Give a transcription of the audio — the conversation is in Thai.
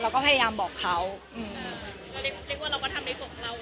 เราก็พยายามบอกเขาอืมเราเรียกว่าเราก็ทำในส่วนของเรา